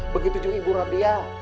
begitu juga ibu radya